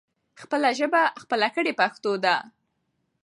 خپله ژبه خپله کړې پښتو ده.